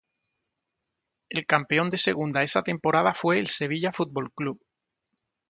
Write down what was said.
El campeón de Segunda esa temporada fue el Sevilla Fútbol Club.